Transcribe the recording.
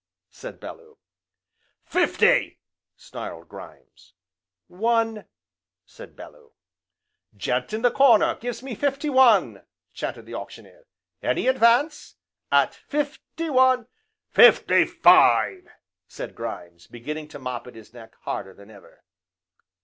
said Bellew. "Fifty!" snarled Grimes. "One!" said Bellew. "Gent in the corner gives me fifty one!" chanted the Auctioneer "any advance? at fifty one " "Fifty five!" said Grimes, beginning to mop at his neck harder than ever.